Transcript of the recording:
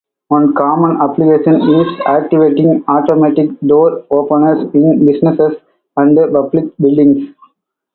One common application is activating automatic door openers in businesses and public buildings.